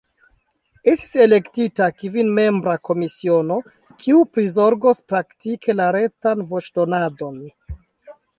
Estis elektita kvinmembra komisiono, kiu prizorgos praktike la retan voĉdonadon.